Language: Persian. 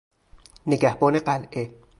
نگهبان قلعه